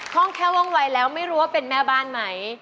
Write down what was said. ห้องแค่ว่องวัยแล้วไม่รู้ว่าเป็นแม่บ้านไหม